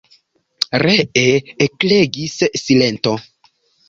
Ree ekregis silento.